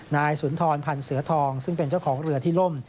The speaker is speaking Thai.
นายสุนทรพันธ์เสือทองซึ่งเป็นเจ้าของเรือที่ล่ม